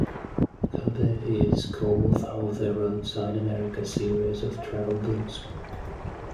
Kirby is co-author of the "Roadside America" series of travel books.